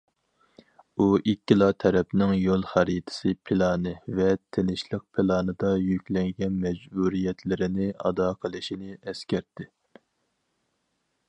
ئۇ ئىككىلا تەرەپنىڭ‹‹ يول خەرىتىسى پىلانى›› ۋە تىنچلىق پىلانىدا يۈكلەنگەن مەجبۇرىيەتلىرىنى ئادا قىلىشىنى ئەسكەرتتى.